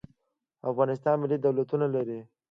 افغانستان ملي دولتونه لري.